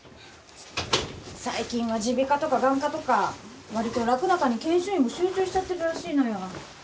最近は耳鼻科とか眼科とか割と楽な科に研修医も集中しちゃってるらしいのよ